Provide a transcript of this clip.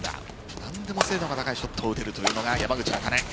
何でも精度が高いショットが打てるというのが山口茜。